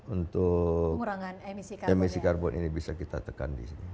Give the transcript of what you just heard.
untuk emisi karbon ini bisa kita tekan di sini